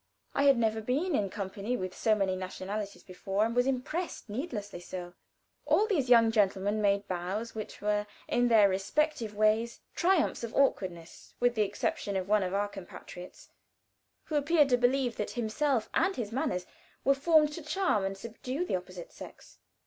I had never been in company with so many nationalities before, and was impressed with my situation needlessly so. All these young gentlemen made bows which were, in their respective ways, triumphs of awkwardness, with the exception of one of our compatriots, who appeared to believe that himself and his manners were formed to charm and subdue the opposite sex.